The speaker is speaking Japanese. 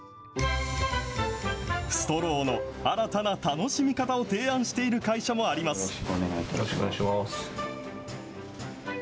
ストローの新たな楽しみ方を提案している会社もあります。